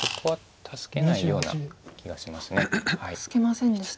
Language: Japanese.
助けませんでした。